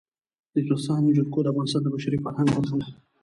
د افغانستان جلکو د افغانستان د بشري فرهنګ برخه ده.